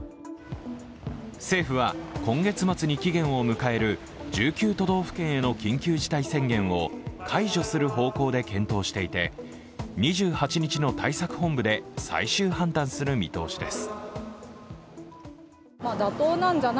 政府は、今月末に期限を迎える１９都道府県への緊急事態宣言を解除する方向で検討していて、２８日の対策本部で最終判断する見通しです。